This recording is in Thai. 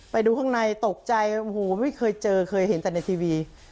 ไปดูข้างในตกใจโอ้โหไม่เคยเจอเคยเห็นแต่ในทีวี